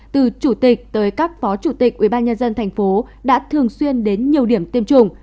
từ chủ tịch tới các phó chủ tịch ubnd thành phố đã thường xuyên đến nhiều điểm tiêm chủng